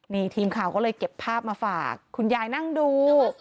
นี่ทีมข่าวก็เลยเก็บภาพมาฝากคุณยายนั่งดู